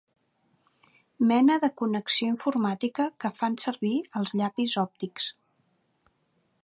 Mena de connexió informàtica que fan servir els llapis òptics.